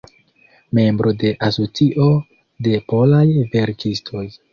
Membro de Asocio de Polaj Verkistoj.